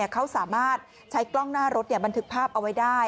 เขาสามารถใช้กล้องหน้ารถบันทึกภาพเอาไว้ได้